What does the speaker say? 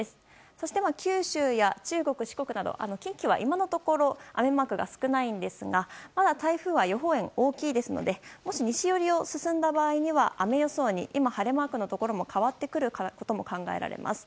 そして九州や四国・中国、近畿は今のところ雨マークが少ないんですがまだ台風は予報円が大きいですので西寄りに進んだ場合には雨予想に晴れマークのところも変わってくることも考えられます。